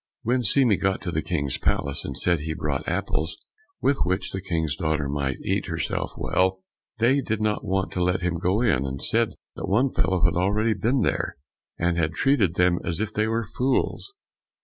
When Seame got to the King's palace and said he brought apples with which the King's daughter might eat herself well, they did not want to let him go in, and said that one fellow had already been there, and had treated them as if they were fools.